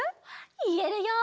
いえるよ！